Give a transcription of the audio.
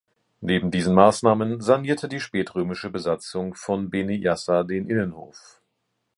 Neben diesen Maßnahmen sanierte die spätrömische Besatzung von Beni Yasser den Innenhof.